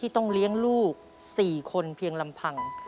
ต้องเลี้ยงลูก๔คนเพียงลำพัง